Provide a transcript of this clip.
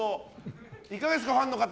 いかがですか、ファンの方。